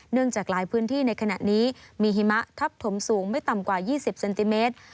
จากหลายพื้นที่ในขณะนี้มีหิมะทับถมสูงไม่ต่ำกว่า๒๐เซนติเมตร